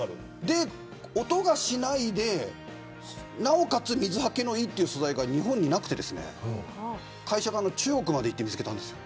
音がしないでなおかつ、水はけのいい素材が日本になくて会社が中国まで行って見つけました。